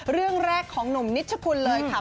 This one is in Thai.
เรื่องแรกของหนุ่มนิชกุลเลยค่ะ